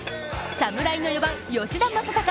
侍の４番・吉田正尚。